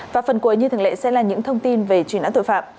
và phần cuối như thường lệ sẽ là những thông tin về truy nã tội phạm